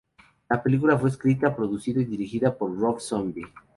La película fue escrita, producida y dirigida por Rob Zombie.